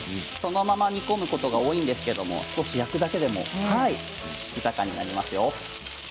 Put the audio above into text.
そのまま煮込むことが多いんですけれども少し焼くだけでも豊かになりますよ。